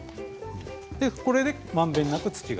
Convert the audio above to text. これでまんべんなく土が。